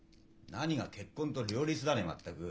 なにが結婚と両立だね全く。